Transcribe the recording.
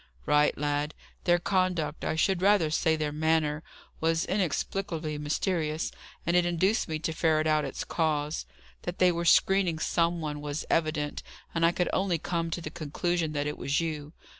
"Right, lad. Their conduct I should rather say their manner was inexplicably mysterious, and it induced me to ferret out its cause. That they were screening some one, was evident, and I could only come to the conclusion that it was you.